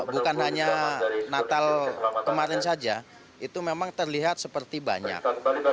bukan hanya natal kemarin saja itu memang terlihat seperti banyak